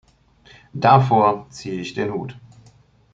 Davor ziehe ich den Hut.